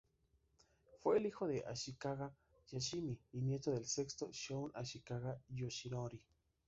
Fue el hijo de Ashikaga Yoshimi y nieto del sexto shogun Ashikaga Yoshinori.